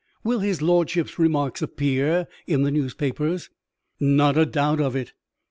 "Will his lordship's remarks appear in the newspapers?" "Not a doubt of it."